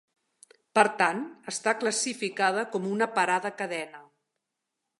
Per tant, està classificada com una parada cadena.